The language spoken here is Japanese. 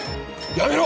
やめろ！